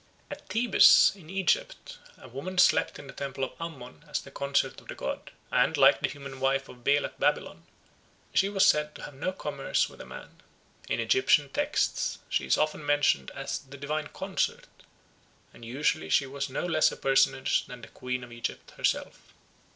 At Thebes in Egypt a woman slept in the temple of Ammon as the consort of the god, and, like the human wife of Bel at Babylon, she was said to have no commerce with a man. In Egyptian texts she is often mentioned as "the divine consort," and usually she was no less a personage than the Queen of Egypt herself.